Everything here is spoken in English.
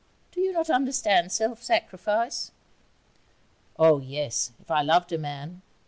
Do you not understand self sacrifice?' 'Oh yes, if I loved a man....